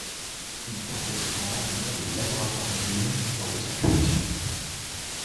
Il portait cependant le nom de Laboratoire mobile lors de sa création.